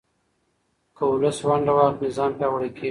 که ولس ونډه واخلي، نظام پیاوړی کېږي.